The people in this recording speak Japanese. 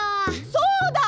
そうだ！